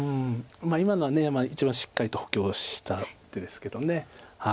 今のは一番しっかりと補強した手ですけど。